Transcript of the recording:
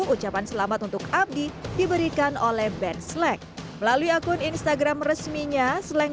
ucapan selamat untuk abdi diberikan oleh ben slang melalui akun instagram resminya slang